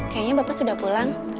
kayaknya bapak sudah pulang